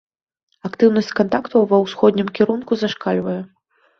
Актыўнасць кантактаў ва ўсходнім кірунку зашкальвае.